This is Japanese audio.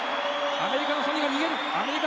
アメリカのソニが逃げる。